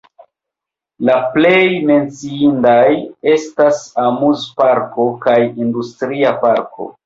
La plej menciindaj estas amuzparko kaj industria parko.